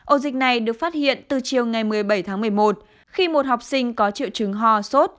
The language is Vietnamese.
ổ dịch này được phát hiện từ chiều ngày một mươi bảy tháng một mươi một khi một học sinh có triệu chứng ho sốt